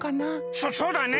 そそうだね！